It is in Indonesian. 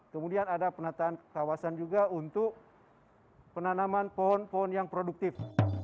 kemudian ada penataan kawasan juga untuk penanaman pohon pohon yang produktif